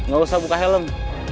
ga usah buka helm